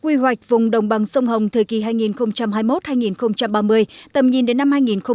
quy hoạch vùng đồng bằng sông hồng thời kỳ hai nghìn hai mươi một hai nghìn ba mươi tầm nhìn đến năm hai nghìn năm mươi